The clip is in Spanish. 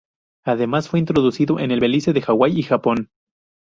Además, fue introducido en Belice, Hawái y Japón.